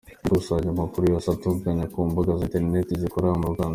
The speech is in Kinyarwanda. Iyi ikusanya makuru yose atangazwa ku mbuga za Interineti zikorera mu Rwanda.